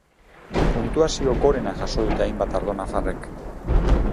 Puntuazio gorena jaso dute hainbat ardo nafarrek.